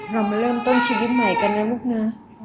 เรามาเริ่มต้นชีวิตใหม่กันนะลูกนะ